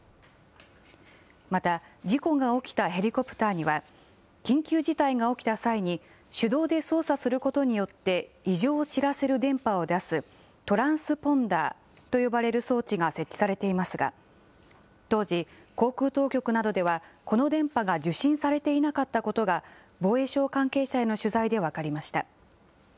また、事故が起きたヘリコプターには、緊急事態が起きた際に手動で操作することによって、異常を知らせる電波を出すトランスポンダーと呼ばれる装置が設置されていますが、当時、航空当局などではこの電波が受信されていなかったことが、防衛省関係者への取材で分かりました。